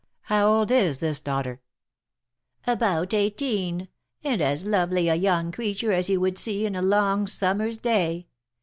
"How old is this daughter?" "About eighteen, and as lovely a young creature as you would see in a long summer's day.